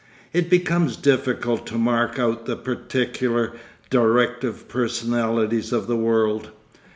It becomes difficult to mark out the particular directive personalities of the world.